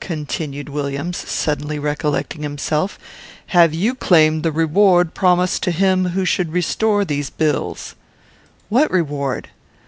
continued Williams, suddenly recollecting himself; "have you claimed the reward promised to him who should restore these bills?" "What reward?"